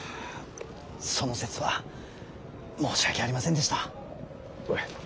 その節は申し訳ありませんでした。